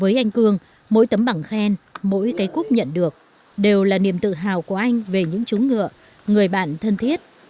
với anh cương mỗi tấm bằng khen mỗi cái cúp nhận được đều là niềm tự hào của anh về những chú ngựa người bạn thân thiết